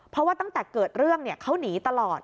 เพราะว่าตั้งแต่เกิดเรื่องเขาหนีตลอด